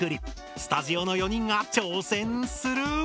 スタジオの４人が挑戦する！